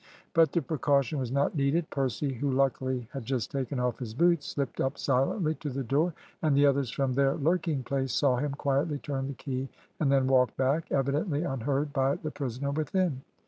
But the precaution was not needed. Percy, who luckily had just taken off his boots, slipped up silently to the door, and the others from their lurking place saw him quietly turn the key and then walk back, evidently unheard by the prisoner within.